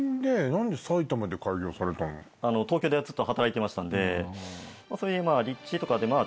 東京でずっと働いてましたんで立地とかで。